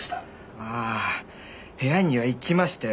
ああ部屋には行きましたよ。